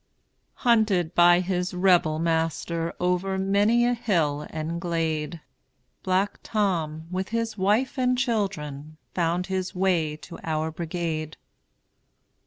Hunted by his Rebel master Over many a hill and glade, Black Tom, with his wife and children, Found his way to our brigade.